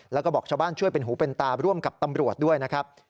แล้วก็บอกชาวบ้านช่วยเป็นหูเป็นตาร่วมกับตำรวจด้วยนะครับ